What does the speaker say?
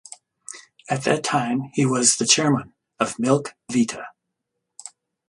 At that time he was the chairman of Milk Vita.